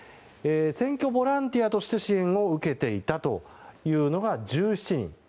選挙ボランティアとして支援を受けていたというのが１７人。